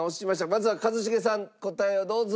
まずは一茂さん答えをどうぞ。